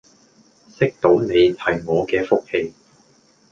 識到你係我嘅福氣